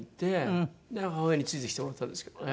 母親についてきてもらったんですけどね。